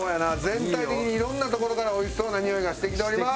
全体的にいろんな所からおいしそうなにおいがしてきております！